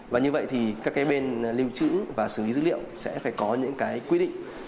và như vậy thì các bên lưu trữ và xử lý dữ liệu sẽ phải có những quy định